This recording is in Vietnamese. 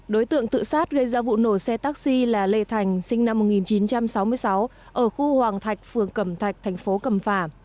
đối tượng tự sát gây ra vụ nổ xe taxi là lê thành sinh năm một nghìn chín trăm sáu mươi sáu ở khu hoàng thạch phường cầm thạch tp cầm phà